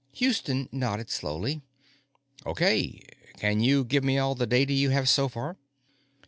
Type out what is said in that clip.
Houston nodded slowly. "Okay. Can you give me all the data you have so far?"